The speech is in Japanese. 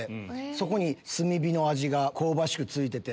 そこに炭火の味が香ばしく付いてて。